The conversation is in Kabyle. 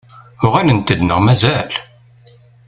Uɣalent-d neɣ mazal?